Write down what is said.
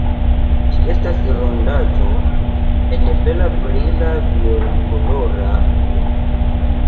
Ĝi estas rondaĵo en bela brila violkolora ujo.